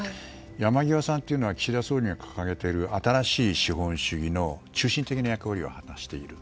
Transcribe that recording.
山際さんというのは岸田総理が掲げている新しい資本主義の中心的な役割を果たしている。